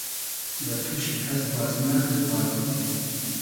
دۂ توشی کئس بازی نئخری باد ازی